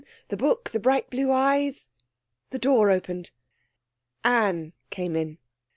The book, the bright blue eyes.... The door opened; Anne came in.